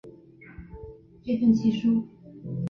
苞片狸藻为狸藻属中型似多年生食虫植物。